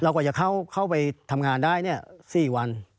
กว่าจะเข้าไปทำงานได้๔วัน